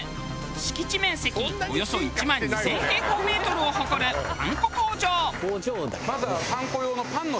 敷地面積およそ１万２０００平方メートルを誇るパン粉工場。